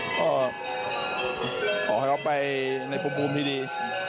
ก็ขอให้เขาไปในภูมิที่ดี